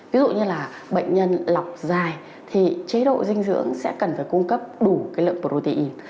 ví dụ như là bệnh nhân lọc dài thì chế độ dinh dưỡng sẽ cần phải cung cấp đủ cái lượng protein